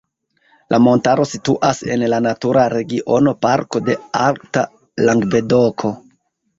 La montaro situas en la Natura Regiona Parko de Alta Langvedoko.